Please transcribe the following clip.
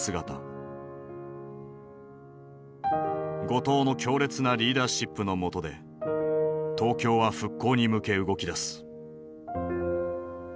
後藤の強烈なリーダーシップの下で東京は復興に向け動きだす。